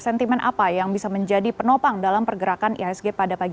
sentiment apa yang bisa menjadi penopang dalam pergerakan iasg